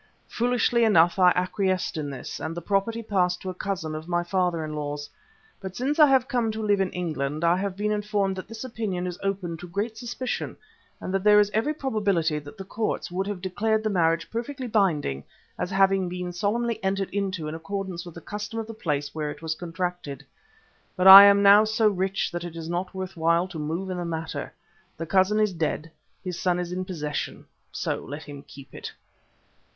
Foolishly enough I acquiesced in this, and the property passed to a cousin of my father in law's; but since I have come to live in England I have been informed that this opinion is open to great suspicion, and that there is every probability that the courts would have declared the marriage perfectly binding as having been solemnly entered into in accordance with the custom of the place where it was contracted. But I am now so rich that it is not worth while to move in the matter. The cousin is dead, his son is in possession, so let him keep it.